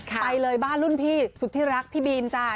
ไปเลยบ้านรุ่นพี่สุดที่รักพี่บีมจ้ะ